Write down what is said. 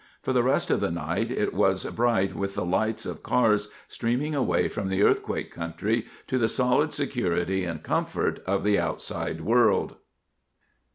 For the rest of the night it was bright with the lights of cars streaming away from the earthquake country to the solid security and comfort of the outside world.